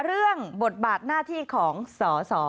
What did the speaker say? เรื่องบทบาทหน้าที่ของสส